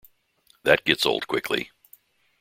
That gets old quickly.